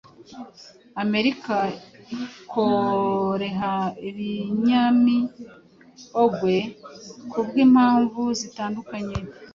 amerika ikoreha ibinyamiogwe kubwimpamvu zitandukanye